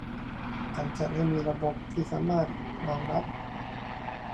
การจัดให้มีระบบที่สามารถรองรับ